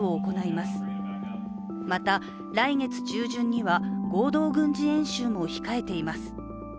また、来月中旬には合同軍事演習も控えています。